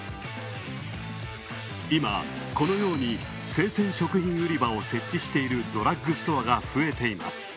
今、このように生鮮食品売り場を設置しているドラッグストアが増えています。